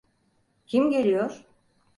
Kim geliyor?